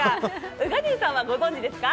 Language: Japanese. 宇賀神さんは、ご存じですか？